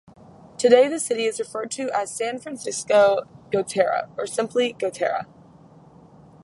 Today the city is referred to as San Francisco Gotera or simply Gotera.